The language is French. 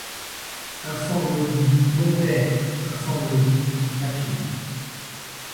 Un sanglot dit: Mon père! un sanglot dit : Ma fille !